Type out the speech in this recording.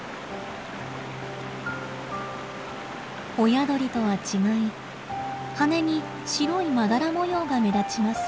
親鳥とは違い羽に白いまだら模様が目立ちます。